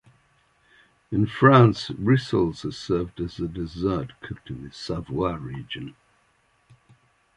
In France, rissoles are served as a dessert cooked in the Savoy region.